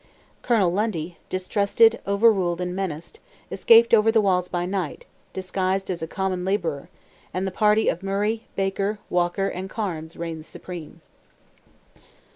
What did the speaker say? Colonel Lundy, distrusted, overruled, and menaced, escaped over the walls by night, disguised as a common labourer, and the party of Murray, Baker, Walker, and Cairnes, reigned supreme.